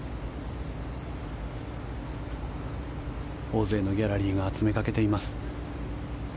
大勢のギャラリーが詰めかけています。